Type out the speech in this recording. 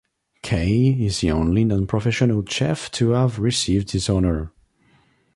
Kaye is the only non-professional chef to have received this honor.